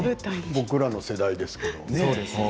僕らの世代ですけど。